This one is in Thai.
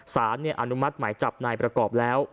สารอนุมัติหมายจับนายประกอบแล้ว